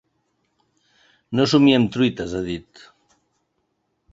No somiem truites, ha dit.